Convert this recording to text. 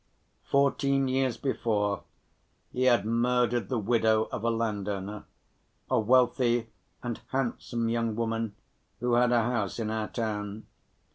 Fourteen years before, he had murdered the widow of a landowner, a wealthy and handsome young woman who had a house in our town.